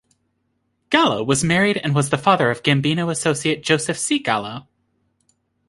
Gallo was married and was the father of Gambino associate Joseph C. Gallo.